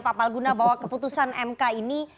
pak palguna bahwa keputusan mk ini